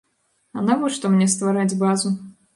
А навошта мне ствараць базу?